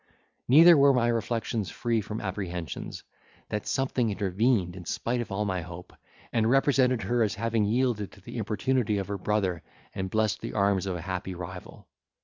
Neither were my reflections free from apprehensions: that something intervened in spite of all my hope, and represented her as having yielded to the importunity of her brother and blessed the arms of a happy rival.